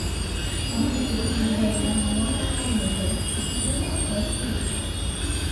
This is achieved by using one of two methods, hooking or spearing.